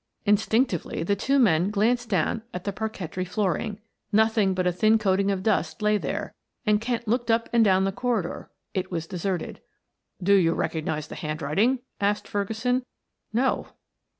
Instinctively the two men glanced down at the parquetry flooring; nothing but a thin coating of dust lay there, and Kent looked up and down the corridor; it was deserted. "Do you recognize the handwriting?" asked Ferguson. "No."